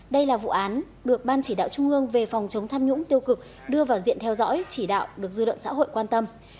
đây là vụ án được ban chỉ đạo trung ương về phòng chống tham nhũng tiêu cực đưa vào diện theo dõi chỉ đạo được dư luận xã hội quan tâm